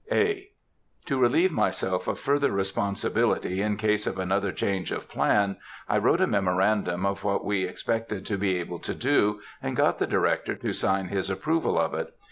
(A.) To relieve myself of further responsibility in case of another change of plan, I wrote a memorandum of what we expected to be able to do, and got the Director to sign his approval of it.